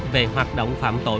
về hoạt động phạm tội